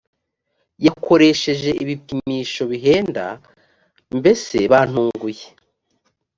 yakoresheje ibipimisho bihenda mbese bantunguye